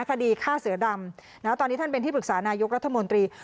คดีฆ่าเสือดำตอนนี้ท่านเป็นที่ปรึกษานายกรัฐมนตรี